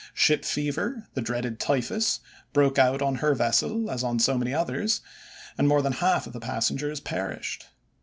Ship fever, the dreaded typhus, broke out on her vessel as on so many others, and more than half the passengers perished.